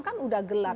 kan sudah gelap